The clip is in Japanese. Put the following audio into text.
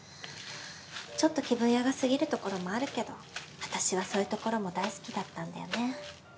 ちょっと気分屋が過ぎるところもあるけど私はそういうところも大好きだったんだよね。